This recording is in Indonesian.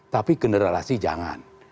tapi generalisasi jangan